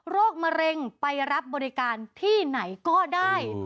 มะเร็งไปรับบริการที่ไหนก็ได้